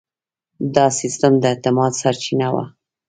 دا سیستم د اعتماد سرچینه وه.